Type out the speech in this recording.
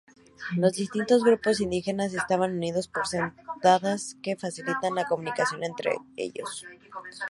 Los distintos grupos indígenas estaban unidos por sendas que facilita la comunicación entre ellos.